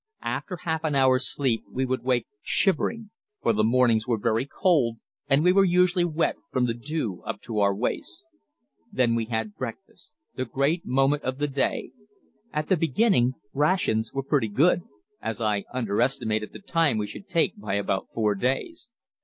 After half an hour's sleep we would wake shivering, for the mornings were very cold, and we were usually wet from the dew up to our waists. Then we had breakfast the great moment of the day. At the beginning rations were pretty good, as I underestimated the time we should take by about four days.